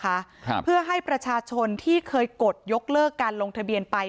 ครับเพื่อให้ประชาชนที่เคยกดยกเลิกการลงทะเบียนไป